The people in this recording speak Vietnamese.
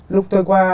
lúc tôi qua